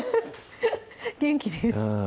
元気です